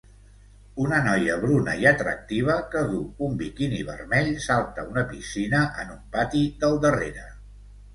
Una noia bruna i atractiva que duu un biquini vermell salta a una piscina en un pati del darrere.